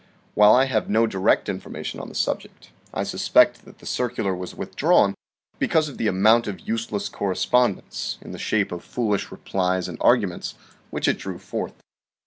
While I have no direct information on the subject, I suspect that the circular was withdrawn because of the amount of useless correspondence, in the shape of foolish replies and argu ments, which it drew forth.